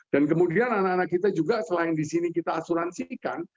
dan kemudian anak anak kita juga selain di sini kita asuransikan